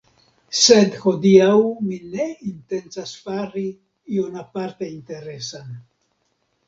Sed, hodiaŭ mi ne intencas fari ion aparte interesan